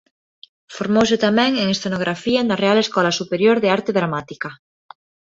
Formouse tamén en escenografía na Real Escola Superior de Arte Dramática.